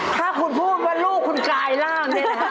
ถ้าคุณพูดว่าลูกคุณกายร่าง